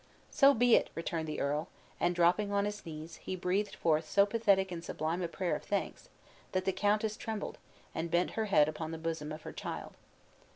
"So be it!" returned the earl, and dropping on his knees, he breathed forth so pathetic and sublime a prayer of thanks, that the countess trembled, and bent her head upon the bosom of her child.